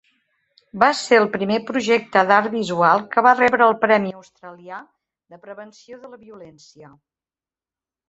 Va ser el primer projecte d'art visual que va rebre el premi australià de Prevenció de la violència.